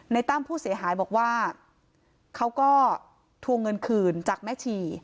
ตั้มผู้เสียหายบอกว่าเขาก็ทวงเงินคืนจากแม่ชี